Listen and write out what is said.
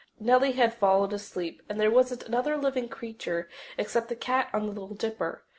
Nellie had fallen asleep, and there wasn't another living creature except the cat on the Little Dipper.